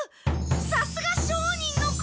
さすが商人の子！